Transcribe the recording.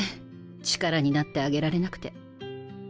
力になってあげられなくて。